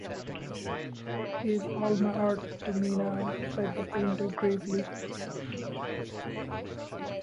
"He is all my art to me now," said the painter gravely.